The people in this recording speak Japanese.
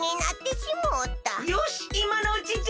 よしいまのうちじゃ。